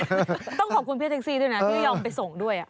ต้องขอบคุณพี่แท็กซี่ด้วยนะที่ยอมไปส่งด้วย